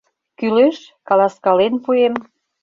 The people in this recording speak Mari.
Кӱлеш, каласкален пуэм?